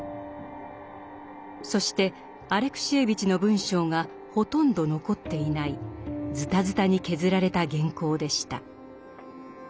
そしてアレクシエーヴィチの文章がほとんど残っていないずたずたに削られた原稿でした。